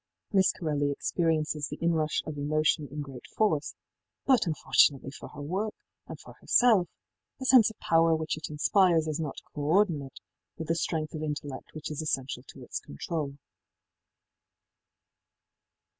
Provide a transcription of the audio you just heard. Miss Corelli experiences the inrush of emotion in great force, but, unfortunately for her work, and for herself, the sense of power which it inspires is not co ordinate with the strength of intellect which is essential to its control.